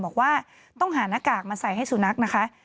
บอกว่าต้องหาหน้ากากมาใส่ให้สุนัขนะคะ